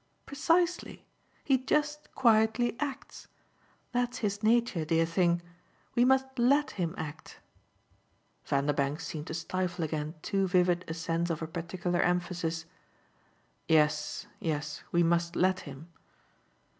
"Precisely. He just quietly acts. That's his nature, dear thing. We must LET him act." Vanderbank seemed to stifle again too vivid a sense of her particular emphasis. "Yes, yes we must let him."